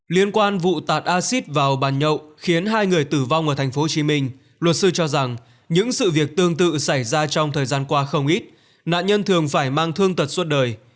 liên quan vụ tạt acid vào bàn nhậu khiến hai người tử vong ở tp hcm luật sư cho rằng những sự việc tương tự xảy ra trong thời gian qua không ít nạn nhân thường phải mang thương tật suốt đời